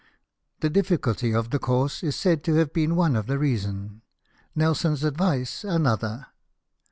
The difficulty of the course is said to have been one reason, Nelson's advice another.